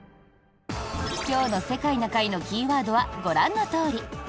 今日の「世界な会」のキーワードはご覧のとおり。